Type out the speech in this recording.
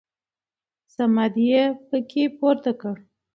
صمد يې په کې پورته کړ.